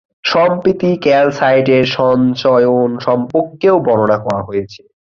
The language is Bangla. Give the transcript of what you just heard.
সম্প্রতি ক্যালসাইটের সঞ্চয়ন সম্পর্কেও বর্ণনা করা হয়েছে।